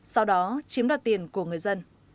sau đó chiếm đặt tiền của người dân